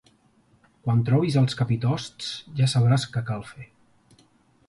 Quan trobis els capitosts, ja sabràs què cal fer.